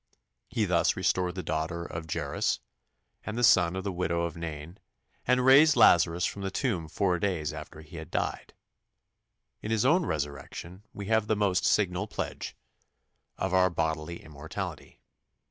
He thus restored the daughter of Jairus and the son of the widow of Nain, and raised Lazarus from the tomb four days after he had died. In His own resurrection we have the most signal pledge of our bodily immortality.